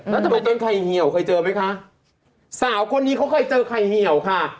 แล้วทำไมต้นไข่เหี่ยวเคยเจอไหมคะสาวคนนี้เขาเคยเจอไข่เหี่ยวค่ะ